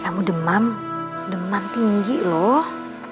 kamu demam demam tinggi loh